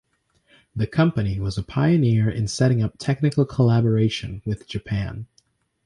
The company was a pioneer in setting up technical collaboration with Japan.